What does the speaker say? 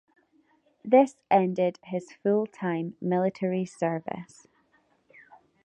This ended his full-time military service.